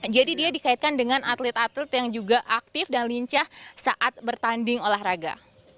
jadi dia dikaitkan dengan atlet atlet yang juga aktif dan lincah saat bertanding olahraga